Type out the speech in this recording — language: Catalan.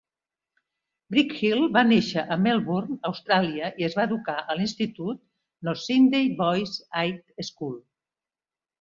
Brickhill va néixer a Melbourne, Austràlia i es va educar a l'institut North Sydney Boys High School.